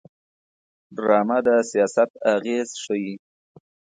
ډرامه د سیاست اغېز ښيي